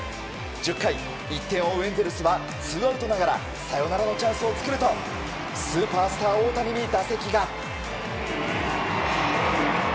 １０回、１点を追うエンゼルスはツーアウトながらサヨナラのチャンスを作るとスーパースター大谷に打席が。